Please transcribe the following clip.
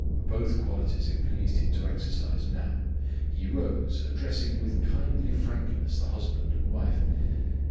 Both qualities it pleased him to exercise now. He rose, addressing with kindly frankness the husband and wife.